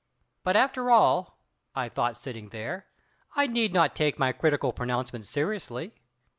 But, after all—I thought, sitting there—I need not take my critical pronouncements seriously.